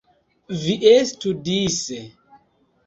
Vi estu dise.